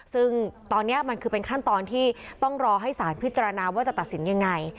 ซึ่งตอนนี้มันคือเป็นขั้นตอนที่ต้องรอให้สารพิจารณาว่าจะตัดสินยังไง